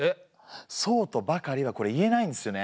そうとばかりはこれ言えないんですよね。